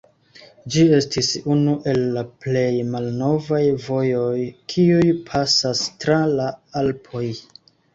Ĝi estis unu el la plej malnovaj vojoj, kiuj pasas tra la Alpoj.